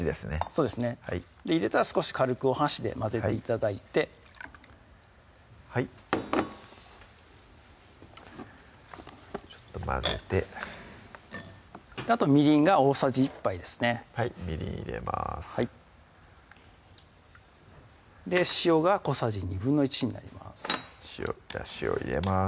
そうですね入れたら少し軽くお箸で混ぜて頂いてはいちょっと混ぜてあとみりんが大さじ１杯ですねはいみりん入れます塩が小さじ１／２になります塩入れます